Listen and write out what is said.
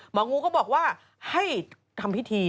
หมองูก็บอกว่าให้ทำพิธี